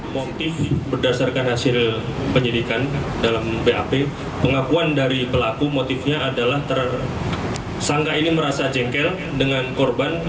motif berdasarkan hasil penyidikan dalam bap pengakuan dari pelaku motifnya adalah tersangka ini merasa jengkel dengan korban